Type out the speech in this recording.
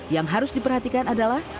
yang harus diperhatikan adalah